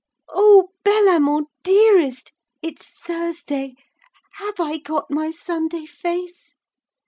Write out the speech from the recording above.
Oh Bellamant dearest, it's Thursday. Have I got my Sunday face?'